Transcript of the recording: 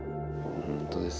本当です。